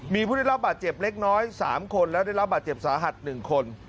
มีผู้ได้รับบาดเจ็บเล็กน้อย๓คนและได้รับบาดเจ็บสาหัส๑คน